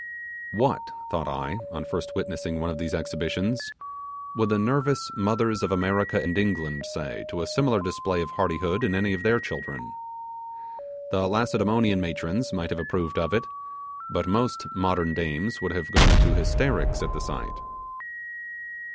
What, thought I, on first witnessing one of these exhibitions, would the nervous mothers of America and England say to a similar display of hardihood in any of their children? The Lacedemonian nation might have approved of it, but most modern dames would have gone into hysterics at the sight.